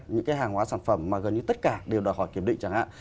những cái hàng hóa sản phẩm mà gần như tất cả đều đòi hỏi kiểm định chẳng hạn